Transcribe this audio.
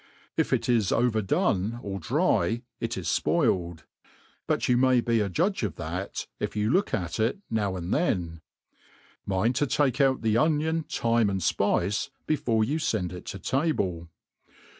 if it is overdone or <try, it is fpoiled ; but you may be a judge of that, if you look at it now and then. Mind to take out the onion, thyme, and fpice, before you fend it to table.